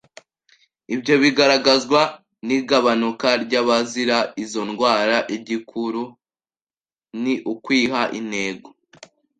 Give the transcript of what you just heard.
Ibyo bigaragazwa n’igabanuka ry’abazira izo ndwara, igikuru ni ukwiha intego”.